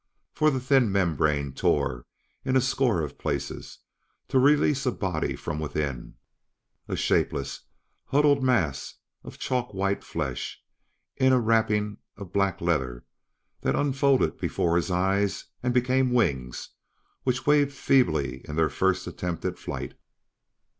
For the thin membrane tore in a score of places to release a body from within a shapeless, huddled mass of chalk white flesh in a wrapping of black leather that unfolded before his eyes and became wings which waved feebly in their first attempt at flight.